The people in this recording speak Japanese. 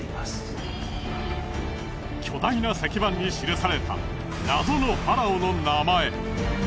巨大な石板に記された謎のファラオの名前。